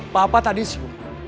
papa tadi sulit